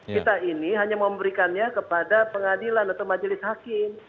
kita ini hanya memberikannya kepada pengadilan atau majelis hakim